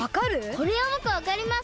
これはぼくわかります！